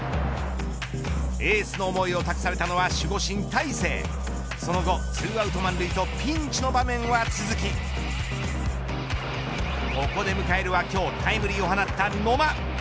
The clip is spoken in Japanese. エースの思いを託されたのは守護神、大勢その後２アウト満塁とピンチの場面は続きここで迎えるは今日タイムリーを放った野間。